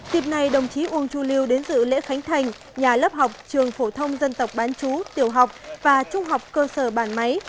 tiếp này đồng chí uông chu lưu đến dự lễ khánh thành nhà lớp học trường phổ thông dân tộc bán chú tiểu học và trung học cơ sở bản máy